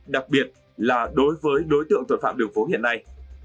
đặc biệt là đối với đối tượng tội phạm đường phố hiện nay